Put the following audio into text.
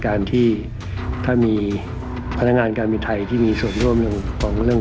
ครับละมีผลังการการเป็นไทยที่มีส่วนร่วมอยู่ปังะรึม